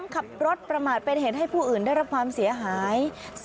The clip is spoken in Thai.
ขับรถประมาทเป็นเหตุให้ผู้อื่นได้รับความเสียหาย